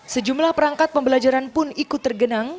sejumlah perangkat pembelajaran pun ikut tergenang